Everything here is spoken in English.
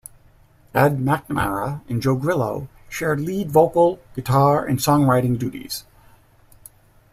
Ed McNamara and Joe Grillo shared lead vocal, guitar, and songwriting duties.